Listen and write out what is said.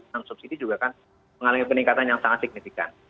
yang subsidi juga kan mengalami peningkatan yang sangat signifikan